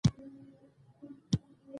آيا تاسي خپل ليکل په رښتيا حذفوئ ؟